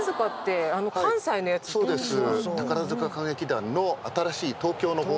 そうです。